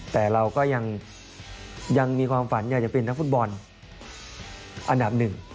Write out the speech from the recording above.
แต่เราก็ยังมีความฝันอยากจะเป็นนักฟุตบอลอันดับหนึ่ง